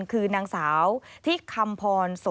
คือนางสาวที่คำพร